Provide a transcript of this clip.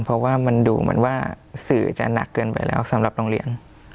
เพราะว่ามันดูเหมือนว่าสื่อจะหนักเกินไปแล้วสำหรับโรงเรียน